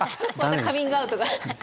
カミングアウトが。